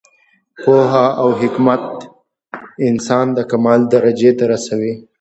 پوهه او حکمت انسان د کمال درجې ته رسوي.